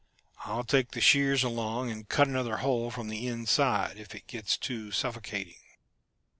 I'll take the shears along and cut another hole from the inside if it gets too suffocating."